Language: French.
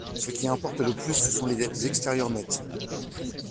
Ce qui importe le plus, ce sont les dettes extérieures nettes.